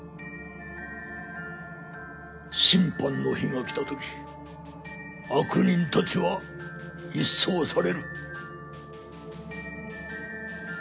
審判の日が来た時悪人たちは一掃される。